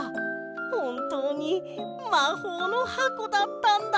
ほんとうにまほうのはこだったんだ！